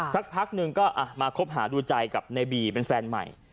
สักพักหนึ่งก็มาคบหาดูใจกับในบีเป็นแฟนใหม่